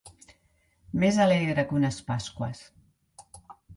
Més alegre que unes pasqües.